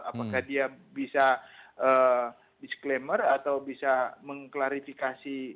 apakah dia bisa disclaimer atau bisa mengklarifikasi